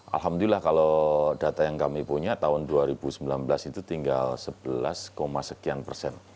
alhamdulillah kalau data yang kami punya tahun dua ribu sembilan belas itu tinggal sebelas sekian persen